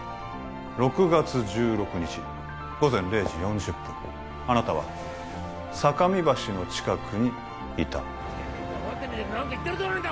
６月１６日午前０時４０分あなたはさかみ橋の近くにいた黙ってねえで何か言ったらどうなんだ！